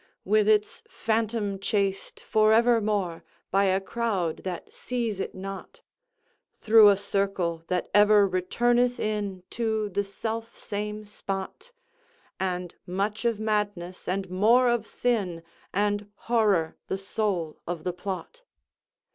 With its Phantom chased forever more, By a crowd that seize it not, Through a circle that ever returneth in To the self same spot, And much of Madness and more of Sin And Horror the soul of the plot.